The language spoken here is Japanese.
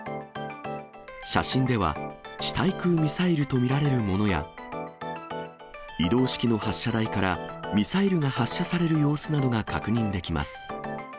写真では、地対空ミサイルと見られるものや、移動式の発射台からミサイルが発射される様子などが確認できます。